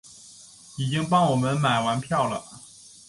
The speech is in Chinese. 已经帮我们买完票了